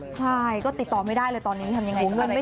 ใช่ก็ติดต่อไม่ได้เลยตอนนี้ทำยังไงก็อะไรก็ไม่ได้